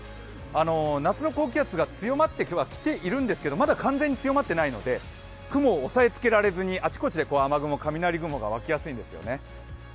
夏の高気圧が今日は強まってきてはいるんですけれども完全に強まっていないので雲を押さえつけられずにあちこちで雨雲、雷雲が湧きやすいんですよね。